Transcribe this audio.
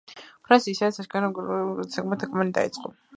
ფრონეს ისდაც ანკარა წყალმა უფრო ციმციმა-კამკამი დაიწყო.